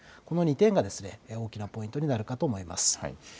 この２点が大きなポイントになるかと思います。